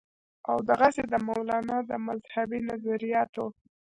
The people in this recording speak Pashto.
او دغسې د مولانا د مذهبي نظرياتو